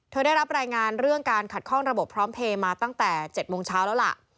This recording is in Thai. ได้รับรายงานเรื่องการขัดข้องระบบพร้อมเพลย์มาตั้งแต่๗โมงเช้าแล้วล่ะ